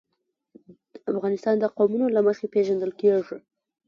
افغانستان د قومونه له مخې پېژندل کېږي.